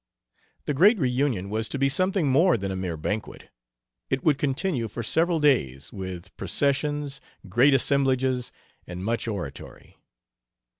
The great reunion was to be something more than a mere banquet. It would continue for several days, with processions, great assemblages, and much oratory.